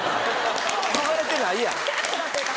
憧れてないやん。